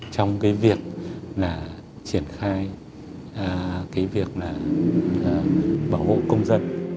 trong cái việc là triển khai cái việc là bảo hộ công dân